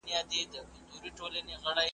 له وړو او سترو لویو نهنګانو `